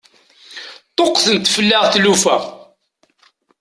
Ṭṭuqqtent fell-aɣ tlufa.